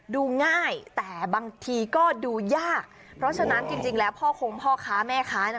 ดูง่ายแต่บางทีก็ดูยากเพราะฉะนั้นจริงแล้วพ่อคงพ่อค้าแม่ค้า